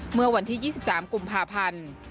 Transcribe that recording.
เมื่อวันที่๒๓กุมภาพันธ์